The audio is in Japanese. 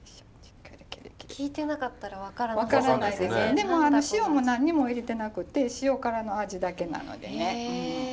でもあの塩も何にも入れてなくて塩辛の味だけなのでね。